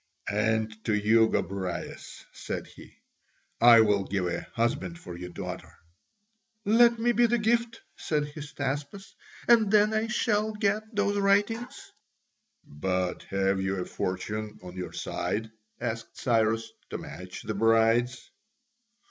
"And to you, Gobryas," said he, "I will give a husband for your daughter." "Let me be the gift," said Hystaspas, "and then I shall get those writings." "But have you a fortune on your side," asked Cyrus, "to match the bride's?"